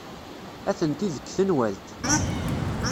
Atenti deg tenwalt.